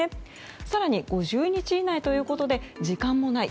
更に、５０日以内ということで時間もない。